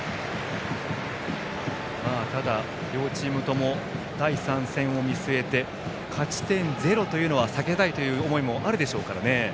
ただ、両チームとも第３戦を見据えて勝ち点０は避けたいという思いもあるでしょうからね。